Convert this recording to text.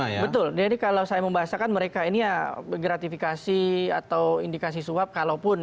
yang betul dari kalau saya membahas akan mereka ini ya gratifikasi atau indikasi suap kalaupun